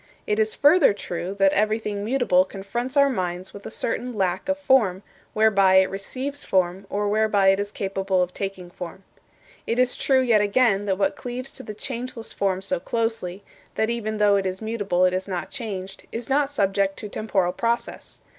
It is further true that everything mutable confronts our minds with a certain lack of form, whereby it receives form, or whereby it is capable of taking form. It is true, yet again, that what cleaves to the changeless form so closely that even though it is mutable it is not changed is not subject to temporal process.